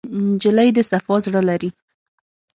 نجلۍ د صفا زړه لري.